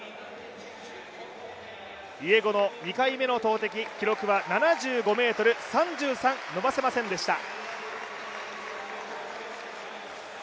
イエゴの２回目の投てき、記録は７５ｍ３３、伸ばせませんでした。